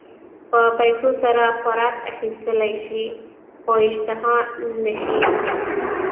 په پیسو سره خوراک اخيستلی شې خو اشتها نه شې.